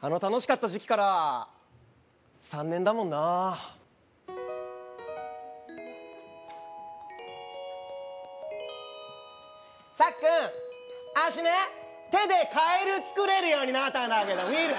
あの楽しかった時期から３年だもんなサッくん私ね手でカエル作れるようになったんだけど見る？